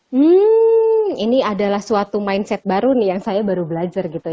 hmm ini adalah suatu mindset baru nih yang saya baru belajar gitu